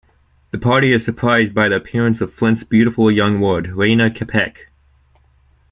The party is surprised by the appearance of Flint's beautiful young ward, Rayna Kapec.